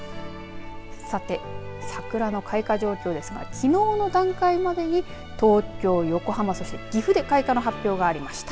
さて、桜の開花状況ですがきのうの段階までに東京、横浜、そして岐阜で開花の発表がありました。